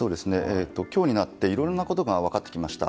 今日になっていろいろなことが分かってきました。